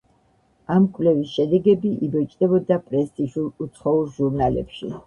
ამ კვლევის შედეგები იბეჭდებოდა პრესტიჟულ უცხოურ ჟურნალებში.